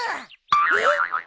えっ！？